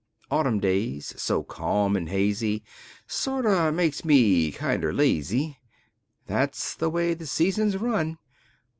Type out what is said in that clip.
Autumn days, so calm an' hazy, Sorter make me kinder lazy. That's the way the seasons run.